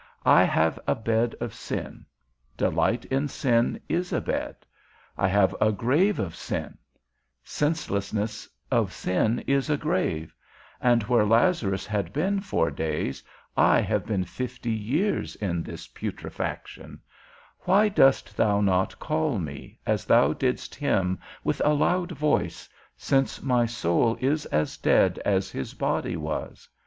I have a bed of sin; delight in sin is a bed: I have a grave of sin; senselessness of sin is a grave: and where Lazarus had been four days, I have been fifty years in this putrefaction; why dost thou not call me, as thou didst him, with a loud voice, since my soul is as dead as his body was?